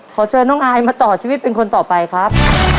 ขอเชิญน้องอายมาต่อชีวิตเป็นคนต่อไปครับ